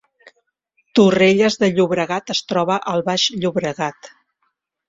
Torrelles de Llobregat es troba al Baix Llobregat